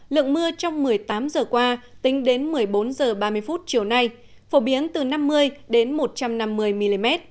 lượng mưa trong một mươi tám giờ qua tính đến một mươi bốn h ba mươi chiều nay phổ biến từ năm mươi đến một trăm năm mươi mm